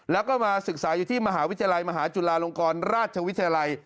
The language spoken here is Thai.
แล้วก็มาศึกษาอยู่ที่มหาวิทยาลัยมหาจุฬาลงกรราชวิทยาลัย